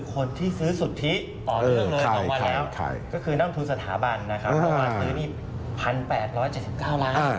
คนที่ซื้อสุดทิกออกเรื่องร้น๒วันแล้ว